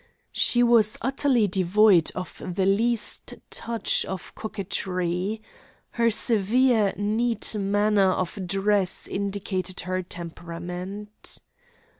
She was utterly devoid of the least touch of coquetry. Her severe, neat manner of dress indicated her temperament.